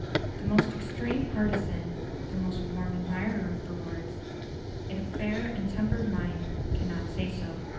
The most extreme partisan, the most warm admirer of the Lords, if of fair and tempered mind, cannot say so.